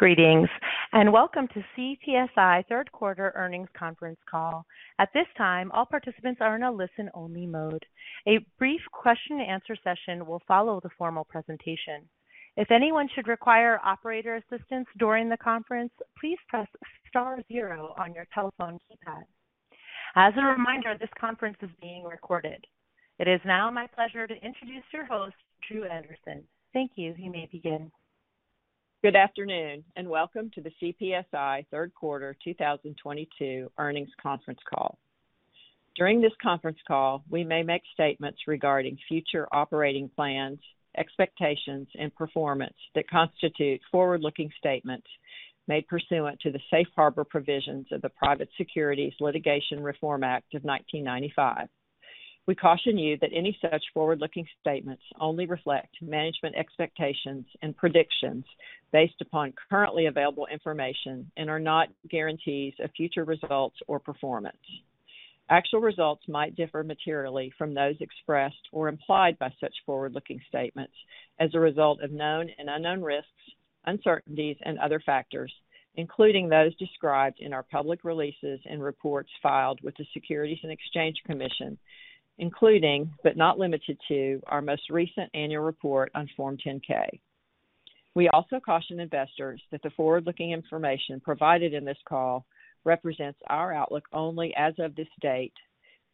Greetings and welcome to CPSI Third Quarter Earnings Conference Call. At this time, all participants are in a listen-only mode. A brief question and answer session will follow the formal presentation. If anyone should require operator assistance during the conference, please press star 0 on your telephone keypad. As a reminder, this conference is being recorded. It is now my pleasure to introduce your host, Dru Anderson. Thank you, you may begin. Good afternoon and welcome to the CPSI third quarter 2022 earnings conference call. During this conference call, we may make statements regarding future operating plans, expectations, and performance that constitute forward-looking statements made pursuant to the Safe Harbor provisions of the Private Securities Litigation Reform Act of 1995. We caution you that any such forward-looking statements only reflect management expectations and predictions based upon currently available information and are not guarantees of future results or performance. Actual results might differ materially from those expressed or implied by such forward-looking statements as a result of known and unknown risks, uncertainties, and other factors, including those described in our public releases and reports filed with the Securities and Exchange Commission, including, but not limited to, our most recent annual report on Form 10-K. We also caution investors that the forward-looking information provided in this call represents our outlook only as of this date,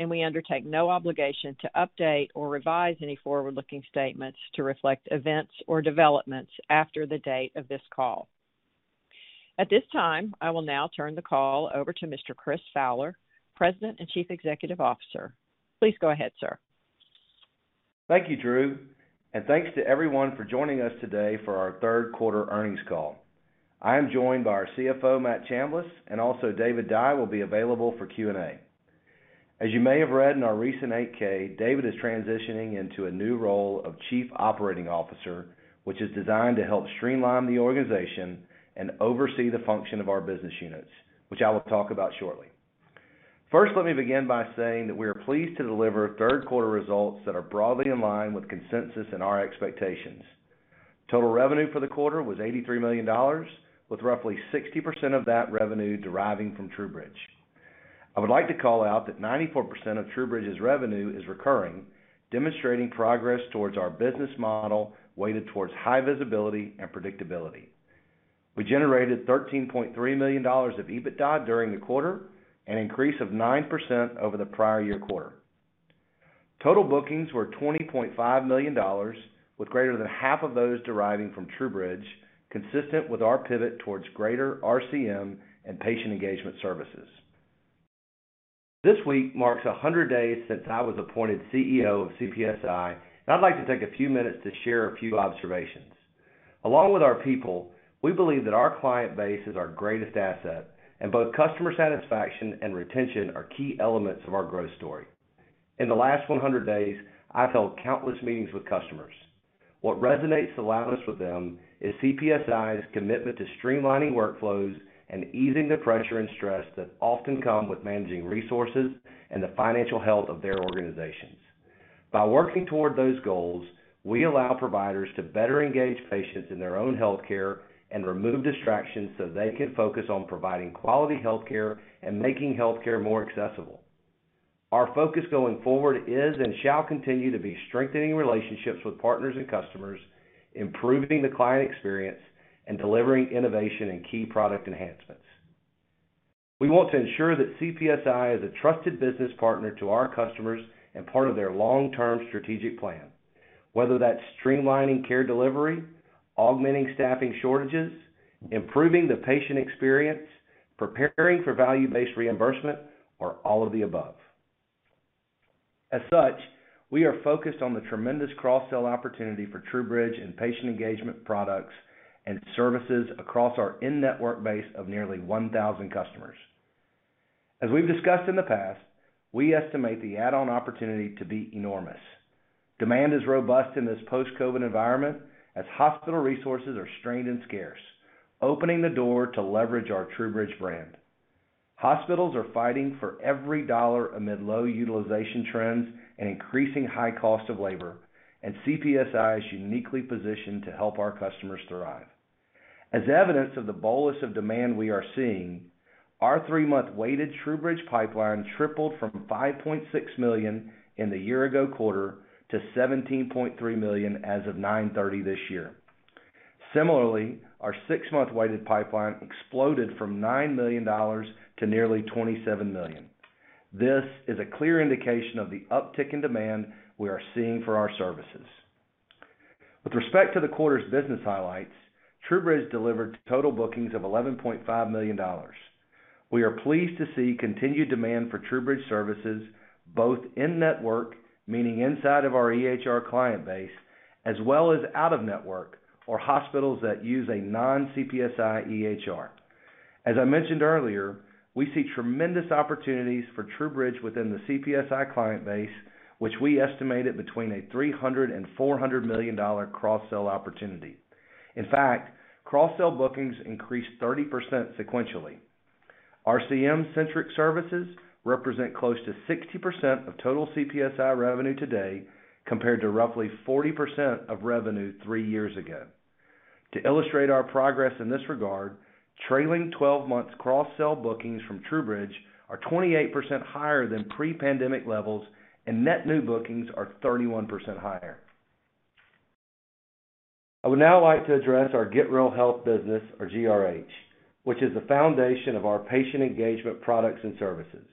and we undertake no obligation to update or revise any forward-looking statements to reflect events or developments after the date of this call. At this time, I will now turn the call over to Mr. Chris Fowler, President and Chief Executive Officer. Please go ahead, sir. Thank you, Dru. Thanks to everyone for joining us today for our third quarter earnings call. I am joined by our CFO, Matt Chambless, and also David Dye will be available for Q&A. As you may have read in our recent 8-K, David is transitioning into a new role of Chief Operating Officer, which is designed to help streamline the organization and oversee the function of our business units, which I will talk about shortly. First, let me begin by saying that we are pleased to deliver third quarter results that are broadly in line with consensus and our expectations. Total revenue for the quarter was $83 million, with roughly 60% of that revenue deriving from TruBridge. I would like to call out that 94% of TruBridge's revenue is recurring, demonstrating progress towards our business model weighted towards high visibility and predictability. We generated $13.3 million of EBITDA during the quarter, an increase of 9% over the prior year quarter. Total bookings were $20.5 million, with greater than half of those deriving from TruBridge, consistent with our pivot towards greater RCM and patient engagement services. This week marks 100 days since I was appointed CEO of CPSI, and I'd like to take a few minutes to share a few observations. Along with our people, we believe that our client base is our greatest asset, and both customer satisfaction and retention are key elements of our growth story. In the last 100 days, I've held countless meetings with customers. What resonates the loudest with them is CPSI's commitment to streamlining workflows and easing the pressure and stress that often come with managing resources and the financial health of their organizations. By working toward those goals, we allow providers to better engage patients in their own healthcare and remove distractions so they can focus on providing quality healthcare and making healthcare more accessible. Our focus going forward is, and shall continue to be strengthening relationships with partners and customers, improving the client experience, and delivering innovation and key product enhancements. We want to ensure that CPSI is a trusted business partner to our customers and part of their long-term strategic plan, whether that's streamlining care delivery, augmenting staffing shortages, improving the patient experience, preparing for value-based reimbursement, or all of the above. As such, we are focused on the tremendous cross-sell opportunity for TruBridge and patient engagement products and services across our in-network base of nearly 1,000 customers. As we've discussed in the past, we estimate the add-on opportunity to be enormous. Demand is robust in this post-COVID environment as hospital resources are strained and scarce, opening the door to leverage our TruBridge brand. Hospitals are fighting for every dollar amid low utilization trends and increasing high cost of labor, and CPSI is uniquely positioned to help our customers thrive. As evidence of the bolus of demand we are seeing, our three-month weighted TruBridge pipeline tripled from $5.6 million in the year ago quarter to $17.3 million as of September 30 this year. Similarly, our six-month weighted pipeline exploded from $9 million to nearly $27 million. This is a clear indication of the uptick in demand we are seeing for our services. With respect to the quarter's business highlights, TruBridge delivered total bookings of $11.5 million. We are pleased to see continued demand for TruBridge services, both in-network, meaning inside of our EHR client base, as well as out-of-network for hospitals that use a non-CPSI EHR. As I mentioned earlier, we see tremendous opportunities for TruBridge within the CPSI client base, which we estimated between a $300-$400 million cross-sell opportunity. In fact, cross-sell bookings increased 30% sequentially. RCM-centric services represent close to 60% of total CPSI revenue today, compared to roughly 40% of revenue three years ago. To illustrate our progress in this regard, trailing twelve months cross-sell bookings from TruBridge are 28% higher than pre-pandemic levels, and net new bookings are 31% higher. I would now like to address our Get Real Health business or GRH, which is the foundation of our patient engagement products and services.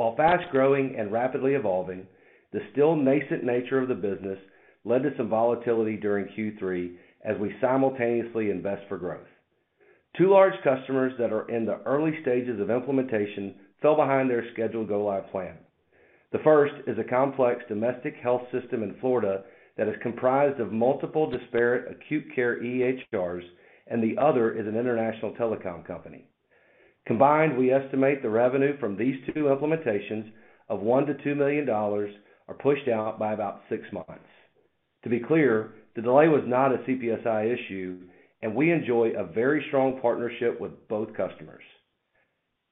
While fast-growing and rapidly evolving, the still nascent nature of the business led to some volatility during Q3 as we simultaneously invest for growth. Two large customers that are in the early stages of implementation fell behind their scheduled go-live plan. The first is a complex domestic health system in Florida that is comprised of multiple disparate acute care EHRs, and the other is an international telecom company. Combined, we estimate the revenue from these two implementations of $1 million-$2 million are pushed out by about six months. To be clear, the delay was not a CPSI issue, and we enjoy a very strong partnership with both customers.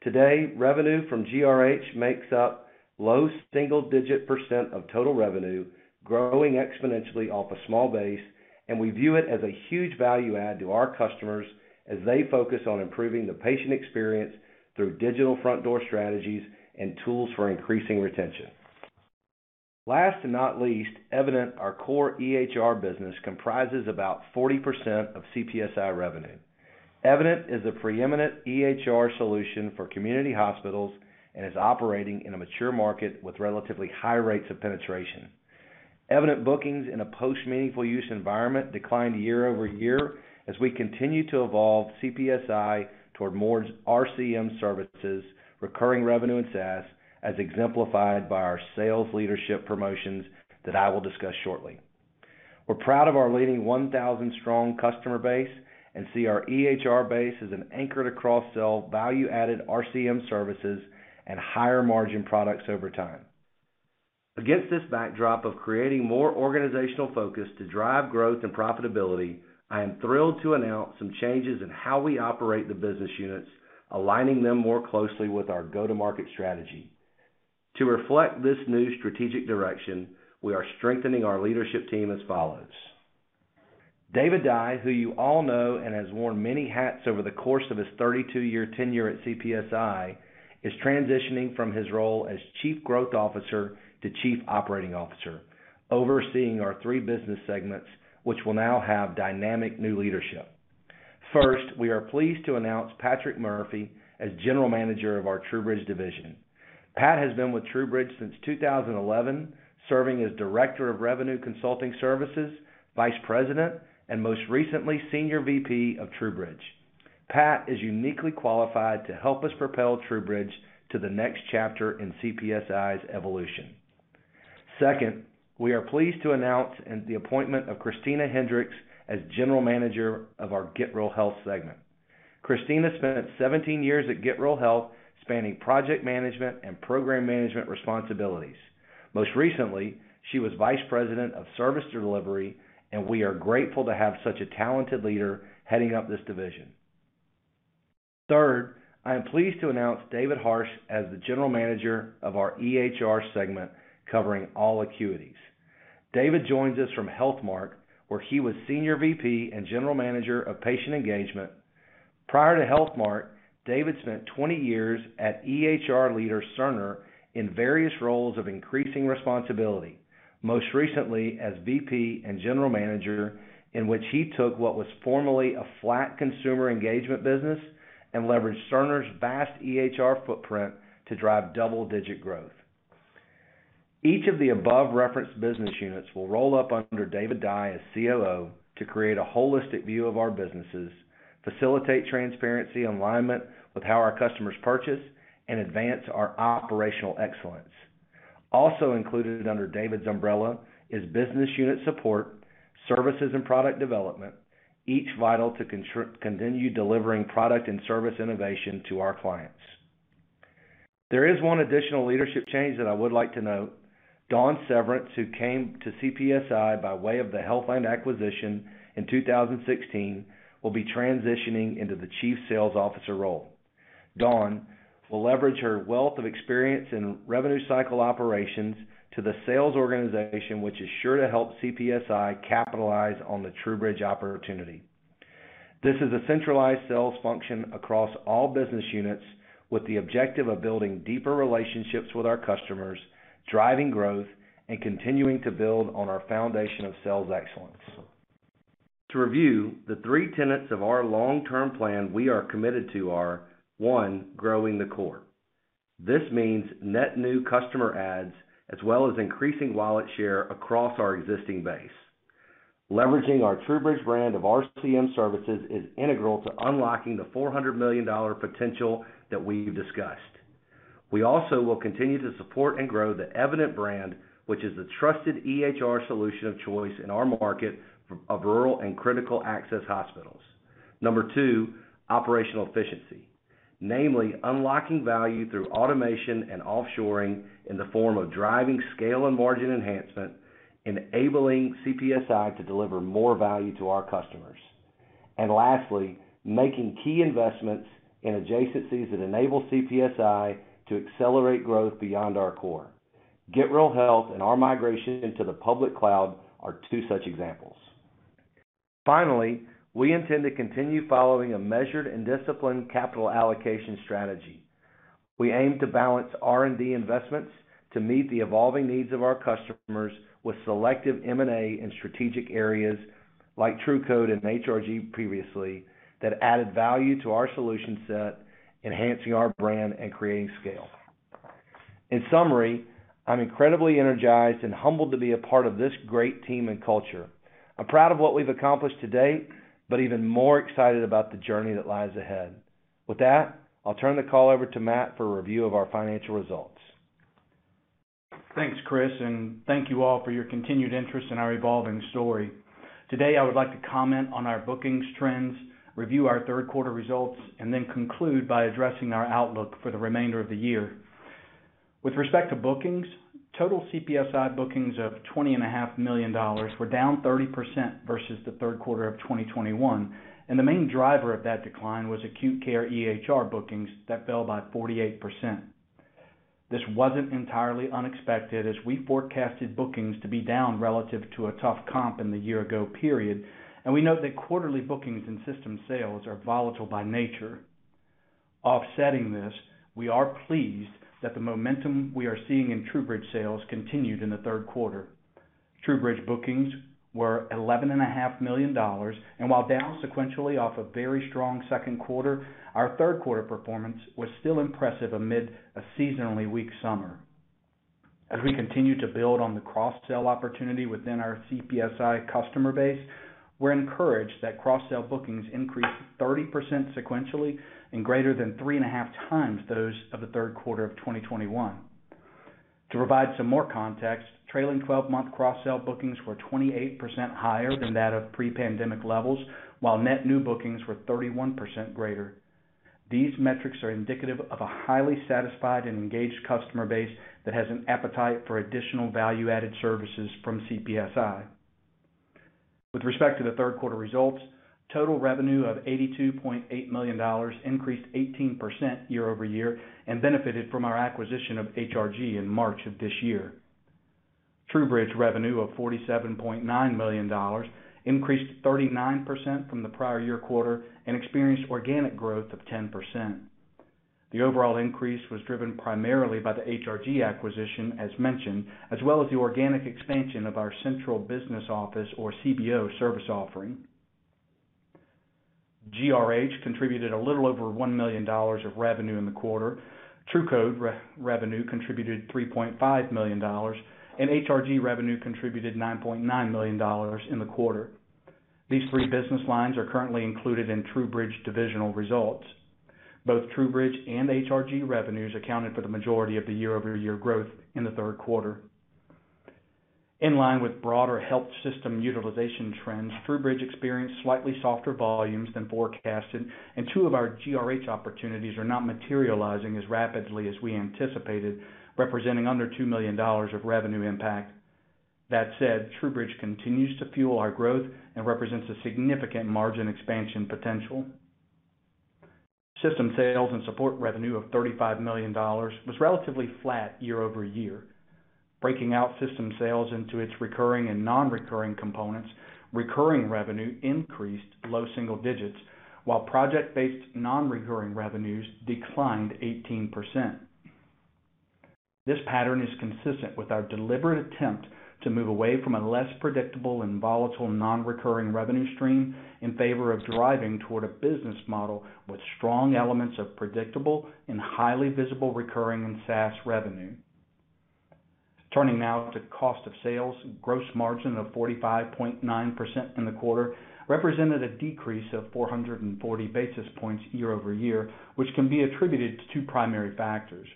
Today, revenue from GRH makes up low single-digit % of total revenue, growing exponentially off a small base, and we view it as a huge value add to our customers as they focus on improving the patient experience through digital front door strategies and tools for increasing retention. Last and not least, Evident, our core EHR business, comprises about 40% of CPSI revenue. Evident is the preeminent EHR solution for community hospitals and is operating in a mature market with relatively high rates of penetration. Evident bookings in a post-meaningful use environment declined year-over-year as we continue to evolve CPSI toward more RCM services, recurring revenue, and SaaS, as exemplified by our sales leadership promotions that I will discuss shortly. We're proud of our leading 1,000-strong customer base and see our EHR base as an anchor to cross-sell value-added RCM services and higher-margin products over time. Against this backdrop of creating more organizational focus to drive growth and profitability, I am thrilled to announce some changes in how we operate the business units, aligning them more closely with our go-to-market strategy. To reflect this new strategic direction, we are strengthening our leadership team as follows. David Dye, who you all know and has worn many hats over the course of his 32-year tenure at CPSI, is transitioning from his role as Chief Growth Officer to Chief Operating Officer, overseeing our three business segments, which will now have dynamic new leadership. First, we are pleased to announce Patrick Murphy as General Manager of our TruBridge division. Pat has been with TruBridge since 2011, serving as Director of Revenue Consulting Services, Vice President, and most recently, Senior VP of TruBridge. Pat is uniquely qualified to help us propel TruBridge to the next chapter in CPSI's evolution. Second, we are pleased to announce the appointment of Christina Hendricks as General Manager of our Get Real Health segment. Christina spent 17 years at Get Real Health, spanning project management and program management responsibilities. Most recently, she was Vice President of Service Delivery and we are grateful to have such a talented leader heading up this division. Third, I am pleased to announce David Harse as the General Manager of our EHR segment, covering all acuities. David joins us from HealthMark, where he was Senior VP and General Manager of Patient Engagement. Prior to HealthMark, David spent 20 years at EHR leader Cerner in various roles of increasing responsibility, most recently as VP and General Manager, in which he took what was formerly a flat consumer engagement business and leveraged Cerner's vast EHR footprint to drive double-digit growth. Each of the above-referenced business units will roll up under David A. Dye as COO to create a holistic view of our businesses, facilitate transparency and alignment with how our customers purchase and advance our operational excellence. Also included under David's umbrella is business unit support, services and product development, each vital to continue delivering product and service innovation to our clients. There is one additional leadership change that I would like to note. Dawn Severance, who came to CPSI by way of the Healthland acquisition in 2016, will be transitioning into the Chief Sales Officer role. Dawn will leverage her wealth of experience in revenue cycle operations to the sales organization, which is sure to help CPSI capitalize on the TruBridge opportunity. This is a centralized sales function across all business units with the objective of building deeper relationships with our customers, driving growth, and continuing to build on our foundation of sales excellence. To review, the three tenets of our long-term plan we are committed to are, one, growing the core. This means net new customer adds, as well as increasing wallet share across our existing base. Leveraging our TruBridge brand of RCM services is integral to unlocking the $400 million potential that we've discussed. We also will continue to support and grow the Evident brand, which is the trusted EHR solution of choice in our market for rural and critical access hospitals. Number two, operational efficiency. Namely, unlocking value through automation and offshoring in the form of driving scale and margin enhancement, enabling CPSI to deliver more value to our customers. Lastly, making key investments in adjacencies that enable CPSI to accelerate growth beyond our core. Get Real Health and our migration into the public cloud are two such examples. Finally, we intend to continue following a measured and disciplined capital allocation strategy. We aim to balance R&D investments to meet the evolving needs of our customers with selective M&A in strategic areas like TruCode and HRG previously, that added value to our solution set, enhancing our brand and creating scale. In summary, I'm incredibly energized and humbled to be a part of this great team and culture. I'm proud of what we've accomplished to date, but even more excited about the journey that lies ahead. With that, I'll turn the call over to Matt for a review of our financial results. Thanks Chris and thank you all for your continued interest in our evolving story. Today, I would like to comment on our bookings trends, review our third quarter results, and then conclude by addressing our outlook for the remainder of the year. With respect to bookings, total CPSI bookings of $20.5 million were down 30% versus the third quarter of 2021, and the main driver of that decline was acute care EHR bookings that fell by 48%. This wasn't entirely unexpected, as we forecasted bookings to be down relative to a tough comp in the year ago period, and we note that quarterly bookings and system sales are volatile by nature. Offsetting this, we are pleased that the momentum we are seeing in TruBridge sales continued in the third quarter. TruBridge bookings were $11.5 million, while down sequentially off a very strong second quarter, our third quarter performance was still impressive amid a seasonally weak summer. We continue to build on the cross-sell opportunity within our CPSI customer base. We're encouraged that cross-sell bookings increased 30% sequentially and greater than 3.5x those of the third quarter of 2021. To provide some more context, trailing 12-month cross-sell bookings were 28% higher than that of pre-pandemic levels, while net new bookings were 31% greater. These metrics are indicative of a highly satisfied and engaged customer base that has an appetite for additional value-added services from CPSI. With respect to the third quarter results, total revenue of $82.8 million increased 18% year-over-year and benefited from our acquisition of HRG in March of this year. TruBridge revenue of $47.9 million increased 39% from the prior year quarter and experienced organic growth of 10%. The overall increase was driven primarily by the HRG acquisition as mentioned, as well as the organic expansion of our central business office or CBO service offering. GRH contributed a little over $1 million of revenue in the quarter. TruCode revenue contributed $3.5 million, and HRG revenue contributed $9.9 million in the quarter. These three business lines are currently included in TruBridge divisional results. Both TruBridge and HRG revenues accounted for the majority of the year-over-year growth in the third quarter. In line with broader health system utilization trends, TruBridge experienced slightly softer volumes than forecasted, and two of our GRH opportunities are not materializing as rapidly as we anticipated, representing under $2 million of revenue impact. That said, TruBridge continues to fuel our growth and represents a significant margin expansion potential. System sales and support revenue of $35 million was relatively flat year-over-year. Breaking out system sales into its recurring and non-recurring components, recurring revenue increased low single digits, while project-based non-recurring revenues declined 18%. This pattern is consistent with our deliberate attempt to move away from a less predictable and volatile non-recurring revenue stream in favor of driving toward a business model with strong elements of predictable and highly visible recurring and SaaS revenue. Turning now to cost of sales. Gross margin of 45.9% in the quarter represented a decrease of 440 basis points year-over-year, which can be attributed to two primary factors.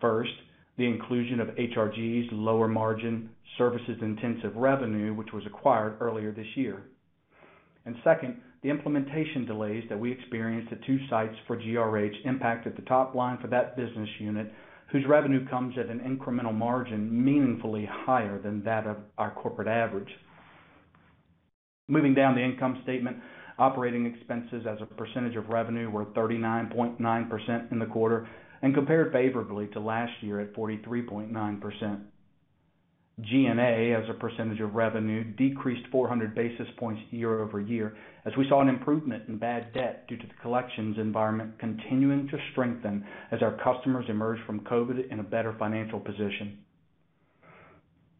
First, the inclusion of HRG's lower margin services intensive revenue, which was acquired earlier this year. Second, the implementation delays that we experienced at two sites for GRH impacted the top line for that business unit, whose revenue comes at an incremental margin meaningfully higher than that of our corporate average. Moving down the income statement, operating expenses as a percentage of revenue were 39.9% in the quarter and compared favorably to last year at 43.9%. G&A as a percentage of revenue decreased 400 basis points year-over-year as we saw an improvement in bad debt due to the collections environment continuing to strengthen as our customers emerged from COVID in a better financial position.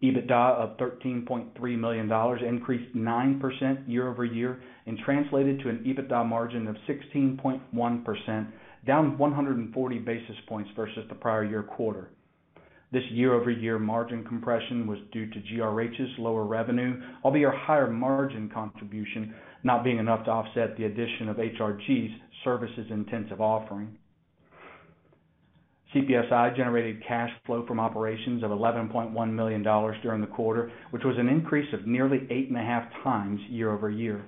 EBITDA of $13.3 million increased 9% year-over-year and translated to an EBITDA margin of 16.1%, down 140 basis points versus the prior year quarter. This year-over-year margin compression was due to GRH's lower revenue, albeit a higher margin contribution, not being enough to offset the addition of HRG's services-intensive offering. CPSI generated cash flow from operations of $11.1 million during the quarter, which was an increase of nearly 8.5x year-over-year.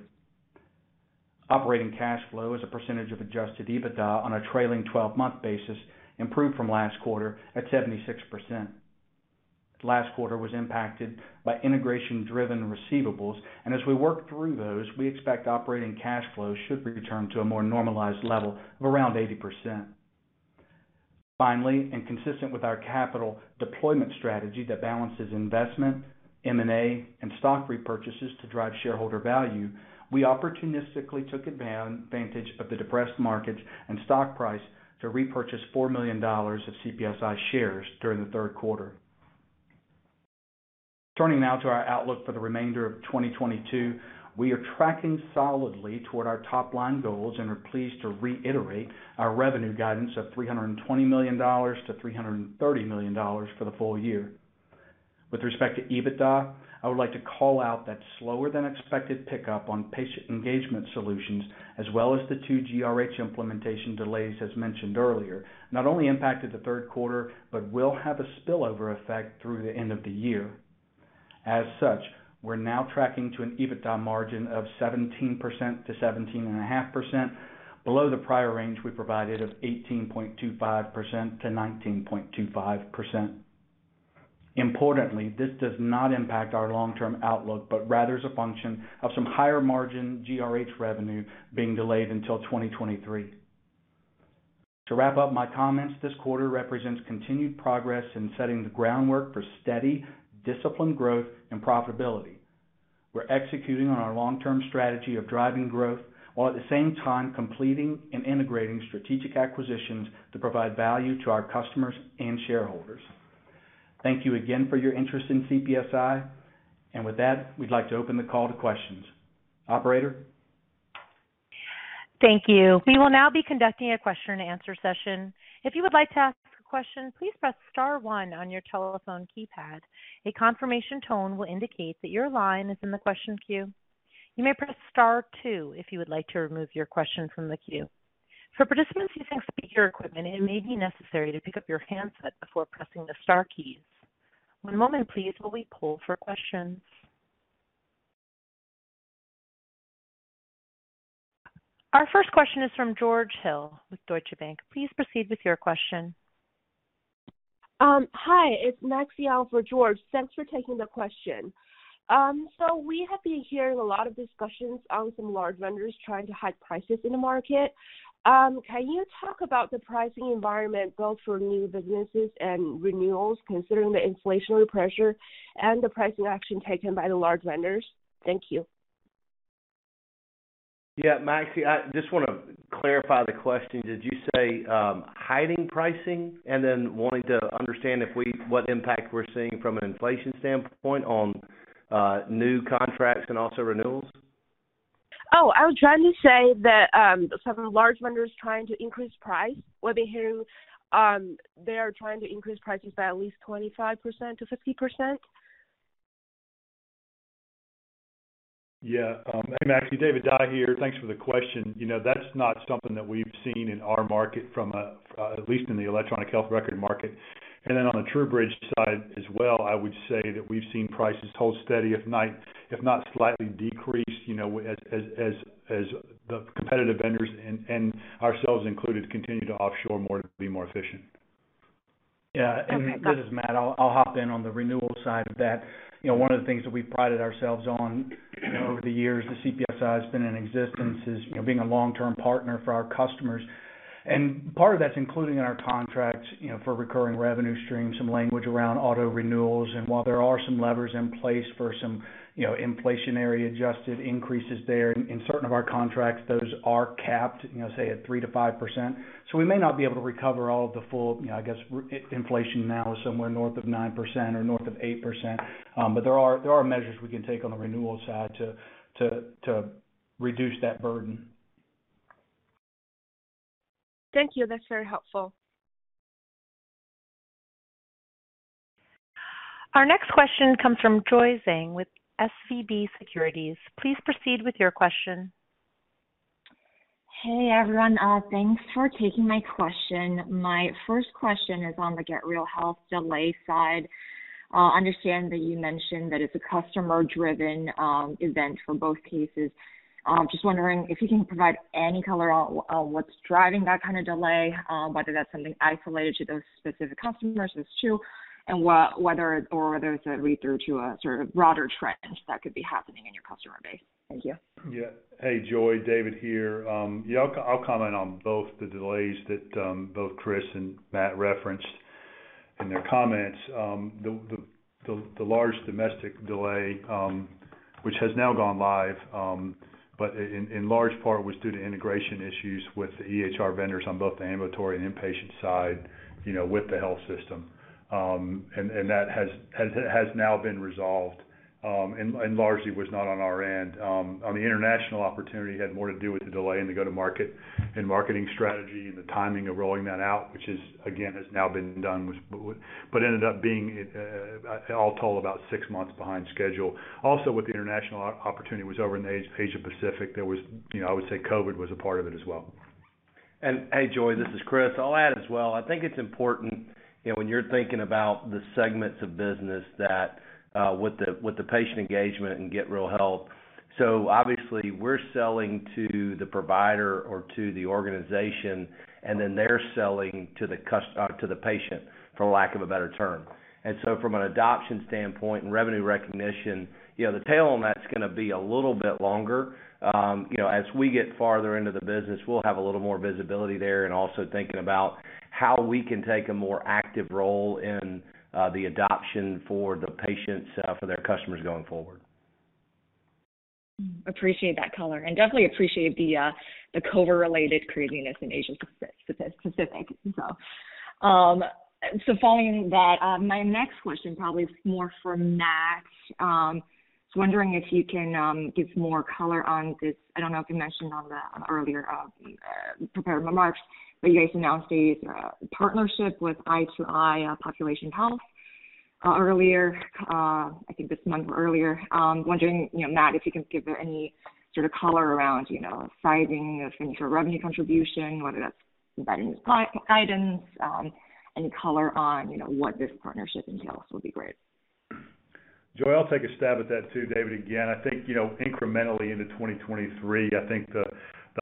Operating cash flow as a percentage of adjusted EBITDA on a trailing twelve-month basis improved from last quarter at 76%. Last quarter was impacted by integration-driven receivables, and as we work through those, we expect operating cash flow should return to a more normalized level of around 80%. Finally, and consistent with our capital deployment strategy that balances investment, M&A, and stock repurchases to drive shareholder value, we opportunistically took advantage of the depressed markets and stock price to repurchase $4 million of CPSI shares during the third quarter. Turning now to our outlook for the remainder of 2022, we are tracking solidly toward our top-line goals and are pleased to reiterate our revenue guidance of $320 million-$330 million for the full year. With respect to EBITDA, I would like to call out that slower than expected pickup on patient engagement solutions, as well as the two GRH implementation delays, as mentioned earlier, not only impacted the third quarter, but will have a spillover effect through the end of the year. As such, we're now tracking to an EBITDA margin of 17%-17.5%, below the prior range we provided of 18.25%-19.25%. Importantly, this does not impact our long-term outlook, but rather is a function of some higher margin GRH revenue being delayed until 2023. To wrap up my comments, this quarter represents continued progress in setting the groundwork for steady, disciplined growth and profitability. We're executing on our long-term strategy of driving growth while at the same time completing and integrating strategic acquisitions to provide value to our customers and shareholders. Thank you again for your interest in CPSI. With that, we'd like to open the call to questions. Operator? Thank you. We will now be conducting a question-and-answer session. If you would like to ask a question, please press star one on your telephone keypad. A confirmation tone will indicate that your line is in the question queue. You may press star two if you would like to remove your question from the queue. For participants using speaker equipment, it may be necessary to pick up your handset before pressing the star keys. One moment please while we poll for questions. Our first question is from George Hill with Deutsche Bank. Please proceed with your question. Hi, it's Ole Matthiessen for George. Thanks for taking the question. We have been hearing a lot of discussions on some large vendors trying to hide prices in the market. Can you talk about the pricing environment, both for new businesses and renewals, considering the inflationary pressure and the pricing action taken by the large vendors? Thank you. Yeah. Matthie, I just wanna clarify the question. Did you say hiding pricing and then wanting to understand what impact we're seeing from an inflation standpoint on new contracts and also renewals? I was trying to say that some of the large vendors trying to increase price. What they do, they are trying to increase prices by at least 25%-50%. Yeah. Hey Matthie. David Dye here, thanks for the question. You know, that's not something that we've seen in our market from at least in the electronic health record market. Then on the TruBridge side as well, I would say that we've seen prices hold steady, if not slightly decreased, you know, as the competitive vendors and ourselves included, continue to offshore more to be more efficient. Yeah. This is Matt, I'll hop in on the renewal side of that. You know, one of the things that we prided ourselves on, you know, over the years that CPSI has been in existence is, you know, being a long-term partner for our customers. Part of that's including in our contracts, you know, for recurring revenue streams, some language around auto renewals. While there are some levers in place for some, you know, inflationary adjusted increases there, in certain of our contracts, those are capped, you know, say at 3%-5%. We may not be able to recover all of the full, you know, I guess inflation now is somewhere north of 9% or north of 8%. There are measures we can take on the renewal side to reduce that burden. Thank you, that's very helpful. Our next question comes from Joy Zhang with SVB Securities. Please proceed with your question. Hey everyone, thanks for taking my question. My first question is on the Get Real Health delay side. I understand that you mentioned that it's a customer-driven event for both cases. Just wondering if you can provide any color on what's driving that kind of delay, whether that's something isolated to those specific customers, if it's two, and whether it's a read-through to a sort of broader trend that could be happening in your customer base? Thank you. Yeah. Hey Joy, David here. Yeah, I'll comment on both the delays that both Chris and Matt referenced in their comments. The large domestic delay, which has now gone live, but in large part was due to integration issues with the EHR vendors on both the ambulatory and inpatient side, you know, with the health system. And that has now been resolved, and largely was not on our end. On the international opportunity, it had more to do with the delay and the go-to-market and marketing strategy and the timing of rolling that out, which, again, has now been done. Ended up being all total about six months behind schedule. Also, with the international opportunity was over in Asia Pacific, there was, you know, I would say COVID was a part of it as well. Hey, Joy this is Chris, I'll add as well. I think it's important, you know, when you're thinking about the segments of business that with the patient engagement and Get Real Health. Obviously, we're selling to the provider or to the organization, and then they're selling to the patient, for lack of a better term. From an adoption standpoint and revenue recognition, you know, the tail on that's gonna be a little bit longer. You know, as we get farther into the business, we'll have a little more visibility there, and also thinking about how we can take a more active role in the adoption for the patients, for their customers going forward. Appreciate that color and definitely appreciate the COVID-related craziness in Asia Pacific. Following that, my next question probably is more for Matt. Wondering if you can give some more color on this. I don't know if you mentioned on the earlier prepared remarks, but you guys announced a partnership with i2i Population Health earlier, I think this month or earlier. Wondering, you know, Matt, if you can give any sort of color around, you know, sizing or future revenue contribution, whether that's embedded in this guidance, any color on, you know, what this partnership entails will be great? Joy, I'll take a stab at that too. David again, I think, you know, incrementally into 2023, I think the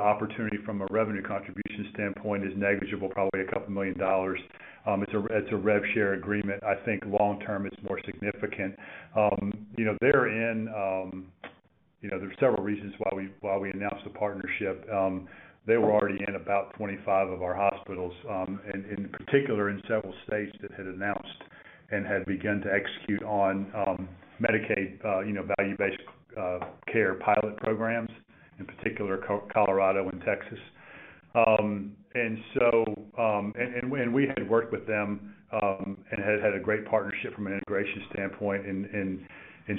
opportunity from a revenue contribution standpoint is negligible, probably a couple $ million. It's a rev share agreement. I think long term it's more significant. You know, they're in. You know, there's several reasons why we announced the partnership. They were already in about 25 of our hospitals and in particular in several states that had announced and had begun to execute on, Medicaid, you know, value-based care pilot programs, in particular Colorado and Texas. We had worked with them and had a great partnership from an integration standpoint in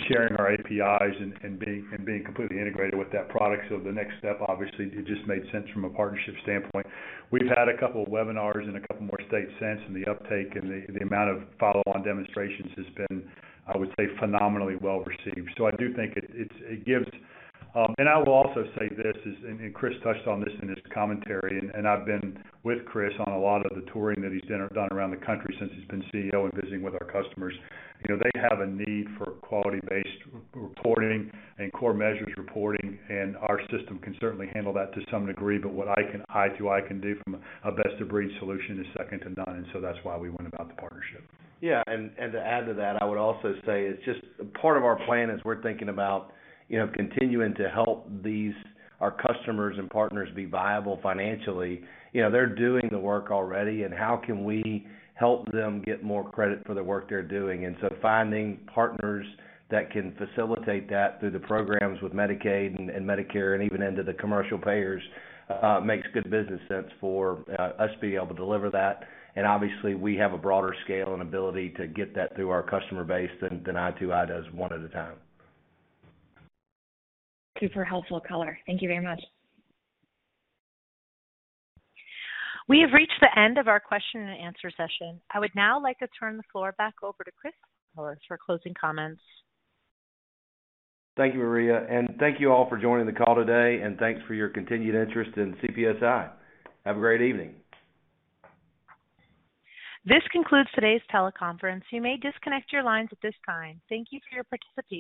sharing our APIs and being completely integrated with that product. The next step obviously it just made sense from a partnership standpoint. We've had a couple of webinars and a couple more states since, and the uptake and the amount of follow-on demonstrations has been, I would say, phenomenally well-received. I do think it gives. I will also say this is and Chris touched on this in his commentary, and I've been with Chris on a lot of the touring that he's done around the country since he's been CEO and visiting with our customers. You know, they have a need for quality-based reporting and core measures reporting and our system can certainly handle that to some degree, but i2i Population Health can do from a best-of-breed solution is second to none. That's why we went about the partnership. To add to that, I would also say it's just part of our plan as we're thinking about, you know, continuing to help these our customers and partners be viable financially. You know, they're doing the work already, and how can we help them get more credit for the work they're doing? Finding partners that can facilitate that through the programs with Medicaid and Medicare and even into the commercial payers makes good business sense for us being able to deliver that. Obviously, we have a broader scale and ability to get that through our customer base than i2i Population Health does one at a time. Super helpful color, thank you very much. We have reached the end of our question and answer session. I would now like to turn the floor back over to Chris Fowler for closing comments. Thank you Maria. Thank you all for joining the call today and thanks for your continued interest in CPSI. Have a great evening. This concludes today's teleconference. You may disconnect your lines at this time. Thank you for your participation.